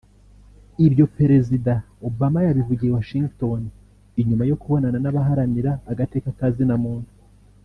Ivyo prezida Obama yabivugiye i Washington inyuma yo kubonana n'abaharanira agateka ka zina muntu